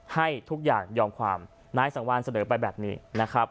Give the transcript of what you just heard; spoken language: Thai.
ให้ทุกอย่างยอมความนายสังวานเสนอไปแบบนี้นะครับ